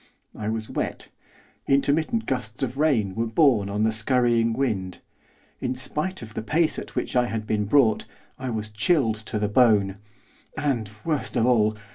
I was wet, intermittent gusts of rain were borne on the scurrying wind; in spite of the pace at which I had been brought, I was chilled to the bone; and worst of all!